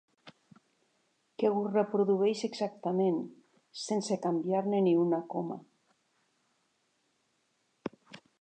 Que ho reprodueix exactament, sense canviar-ne ni una coma.